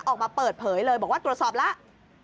ออกมาเปิดเผยเลยบอกว่าตรวจสอบแล้ว